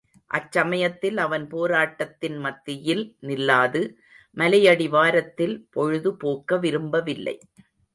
அச்சமயத்தில் அவன் போராட்டத்தின் மத்தியில் நில்லாது மலையடிவாரத்தில் பொழுது போக்கவிரும்பவில்லை.